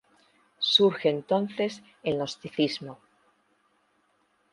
Surge entonces el gnosticismo.